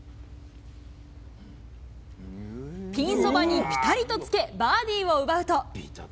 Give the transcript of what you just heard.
ピンそばにぴたりとつけ、バーディーを奪うと。